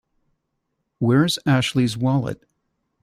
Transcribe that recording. Where's Ashley's wallet?